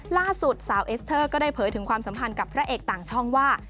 ล่าสุดสาวเอสเตอร์ก็ได้เผยถึงความสัมพันธ์กับพระเอกต่างช่องว่า